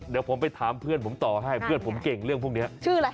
เดี๋ยวผมไปถามเพื่อนผมต่อให้เพื่อนผมเก่งเรื่องพวกนี้ชื่ออะไร